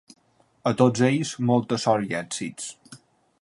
A tots ells, molta sort i èxits.